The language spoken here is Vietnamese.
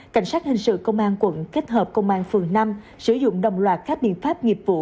cảnh sát hình sự công an quận kết hợp công an phường năm sử dụng đồng loạt các biện pháp nghiệp vụ